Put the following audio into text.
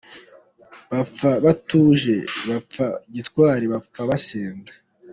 Bapfa batuje, bapfa gitwari, bapfa basenga